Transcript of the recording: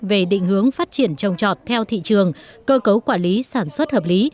về định hướng phát triển trồng trọt theo thị trường cơ cấu quản lý sản xuất hợp lý